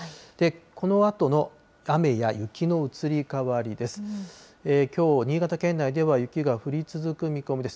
このあとの雨や雪の移り変わりです。